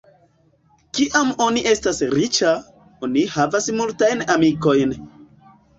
Kiam oni estas riĉa, oni havas multajn amikojn.